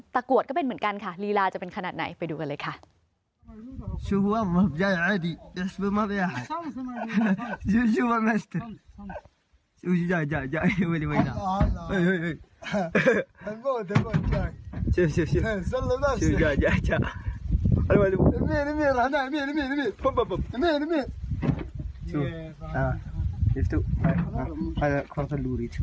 กรวดก็เป็นเหมือนกันค่ะลีลาจะเป็นขนาดไหนไปดูกันเลยค่ะ